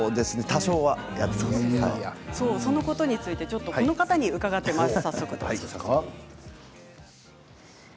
そのことについてこの方に伺っています。